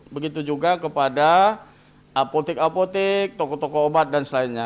begitu juga kepada apotek apotek toko toko obat dan selainnya